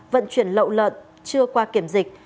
vận chuyển lậu lợn chưa qua kiểm dịch